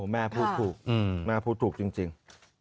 แม่พูดถูกแม่พูดถูกจริง